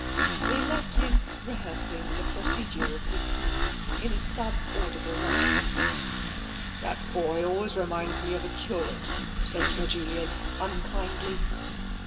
" They left him rehearsing the procedure of his sneeze in a sub audible manner. TENSION 19 "That boy always reminds me of a curate," said Sir Julian unkindly.